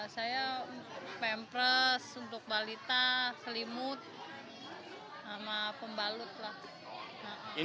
saya pempres untuk balita selimut sama pembalut lah